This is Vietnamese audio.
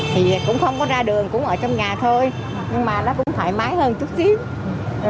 thì cũng không có ra đường cũng ở trong nhà thôi nhưng mà nó cũng thoải mái hơn chút xích